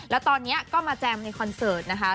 แล้วตอนนี้ก็มาแจมในคอนเสิร์ตนะคะ